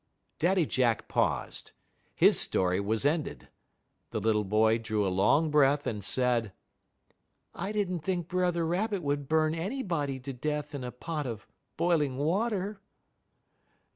Daddy Jack paused. His story was ended. The little boy drew a long breath and said: "I did n't think Brother Rabbit would burn anybody to death in a pot of boiling water."